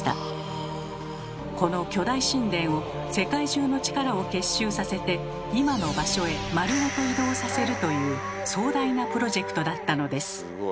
この巨大神殿を世界中の力を結集させて今の場所へ丸ごと移動させるという壮大なプロジェクトだったのです。